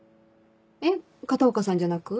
えっ片岡さんじゃなく？